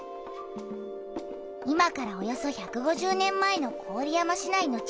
今からおよそ１５０年前の郡山市内の地図だよ。